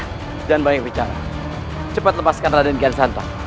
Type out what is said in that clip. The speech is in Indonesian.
jangan banyak bicara cepat lepaskan raden gansantang